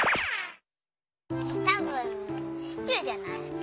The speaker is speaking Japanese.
たぶんシチューじゃない？